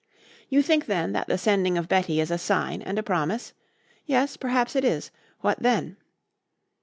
"You think then that the sending of Betty is a sign and a promise? Yes. Perhaps it is. What then?"